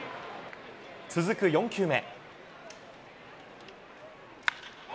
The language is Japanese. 続く４球目。